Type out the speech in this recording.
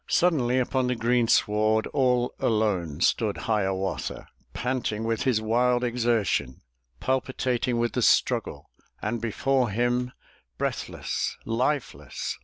Suddenly upon the greensward All alone stood Hiawatha, Panting with his wild exertion, Palpitating with the struggle; And before him, breathless, lifeless.